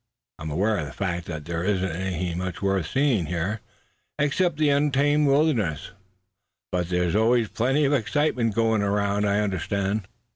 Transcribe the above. I'm aware of the fact that there isn't anything much worth seeing here, suh; except the untamed wilderness; but they's always plenty of excitement going around, I understand."